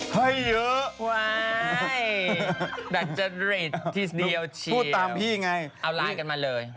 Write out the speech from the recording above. ใหม่